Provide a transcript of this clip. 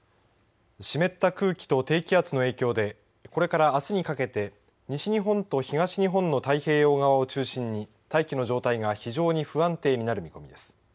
湿った空気と低気圧の影響でこれから、あすにかけて西日本と東日本の太平洋側を中心に大気の状態が非常に不安定になる見込みです。